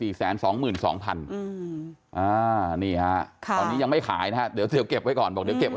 นี่ค่ะตอนนี้ยังไม่ขายนะครับเดี๋ยวเก็บไว้ก่อน